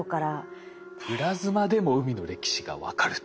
プラズマでも海の歴史が分かると。